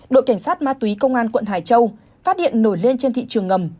đội cảnh sát ma túy công an quận hải châu phát hiện nổi lên trên thị trường ngầm